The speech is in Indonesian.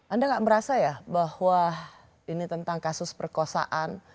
anda gak merasa ya bahwa ini tentang kasus perkosaan